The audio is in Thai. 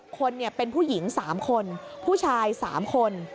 คนเป็นผู้หญิง๓คนผู้ชาย๓คน